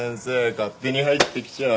勝手に入ってきちゃ。